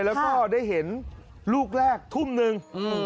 แล้วก็ได้เห็นลูกแรกทุ่มหนึ่ง